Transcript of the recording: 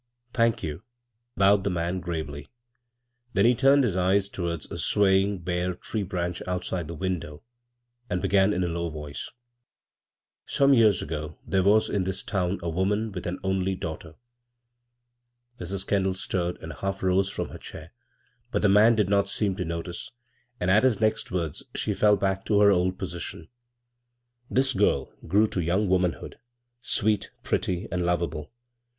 "Thank you," bowed the man gravely; then he turned his eyes towards a swaying bare tree branch outside the window, and be gan in a low voice :" Some years ago there was in this town a woman with an only daughter." Mrs. Kendall stirred and half rose from her chair ; but the man did not seem to notice, and at his next words she fell back to her old portion. " This girl grew to young womanhood, sweet, pretty, and lov able.